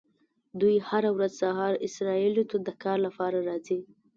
دوی هره ورځ سهار اسرائیلو ته د کار لپاره راځي.